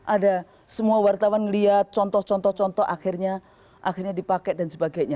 ada semua wartawan melihat contoh contoh contoh akhirnya dipakai dan sebagainya